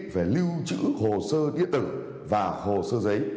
về lưu trữ hồ sơ điện tử và hồ sơ giấy